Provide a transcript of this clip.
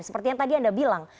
seperti yang tadi anda bilang